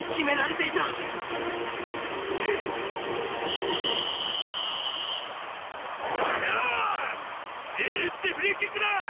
いい位置でフリーキックだ！